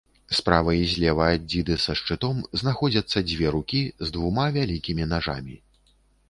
Справа і злева ад дзіды са шчытом знаходзяцца дзве рукі, з двума вялікімі нажамі.